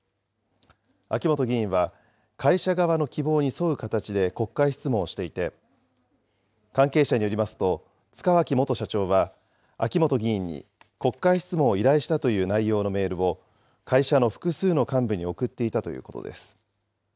秋本議員は、会社側の希望に沿う形で国会質問をしていて、関係者によりますと、塚脇元社長は、秋本議員に、国会質問を依頼したという内容のメールを、会社の複数の幹部に送っていたということです。